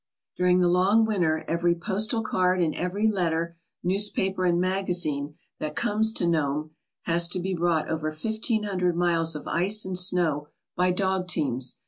During the long winter every postal card and every letter, newspaper, and magazine that conies to Nome has to be brought over fifteen hundred miles of ice and snow by dog teams.